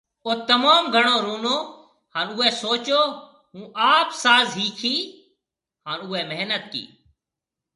او تموم گھڻو رونو هان اوئي سوچيو هون آپ ساز ۿيکيۿ، هان اوئي محنت ڪي